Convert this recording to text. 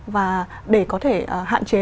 và để có thể hạn chế